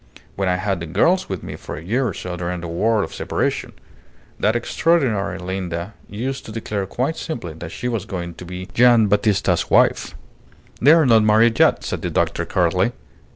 When I had the girls with me for a year or so during the War of Separation, that extraordinary Linda used to declare quite simply that she was going to be Gian' Battista's wife." "They are not married yet," said the doctor, curtly.